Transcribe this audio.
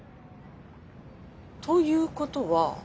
ということは。